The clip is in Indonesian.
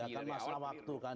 ya kan masalah waktu kan